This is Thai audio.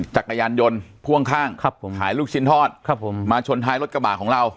จักรยานยนต์พ่วงข้างครับผมขายลูกชิ้นทอดมาชนท้ายรถกระบะของเรา